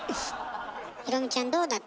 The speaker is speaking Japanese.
裕美ちゃんどうだった？